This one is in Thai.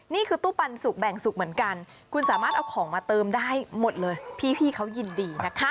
นี่คือตู้ปันสุกแบ่งสุกเหมือนกันคุณสามารถเอาของมาเติมได้หมดเลยพี่เขายินดีนะคะ